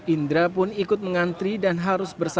indra pun ikut mengantri dan harus bersama